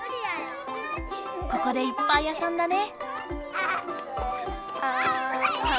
ここでいっぱいあそんだね。